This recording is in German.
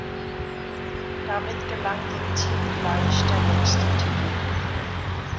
Damit gelang dem Team gleich der nächste Titel.